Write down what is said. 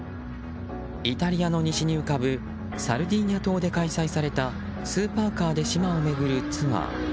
イタリアの西に浮かぶサルデーニャ島で開催されたスーパーカーで島を巡るツアー。